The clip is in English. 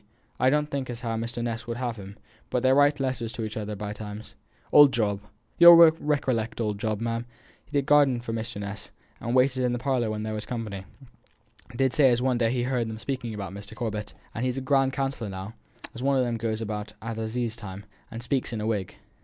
I don't think as how Mr. Ness would have him; but they write letters to each other by times. Old Job you'll recollect old Job, ma'am, he that gardened for Mr Ness, and waited in the parlour when there was company did say as one day he heerd them speaking about Mr. Corbet; and he's a grand counsellor now one of them as goes about at assize time, and speaks in a wig."